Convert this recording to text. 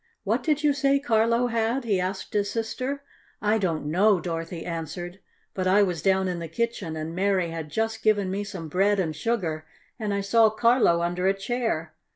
"What did you say Carlo had?" he asked his sister. "I don't know," Dorothy answered. "But I was down in the kitchen, and Mary had just given me some bread and sugar, and I saw Carlo under a chair.